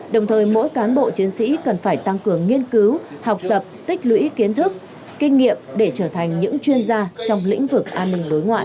đồng thời mỗi cán bộ chiến sĩ cần phải tăng cường nghiên cứu học tập tích lũy kiến thức kinh nghiệm để trở thành những chuyên gia trong lĩnh vực an ninh đối ngoại